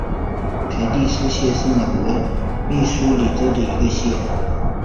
佩蒂斯县是美国密苏里州中部的一个县。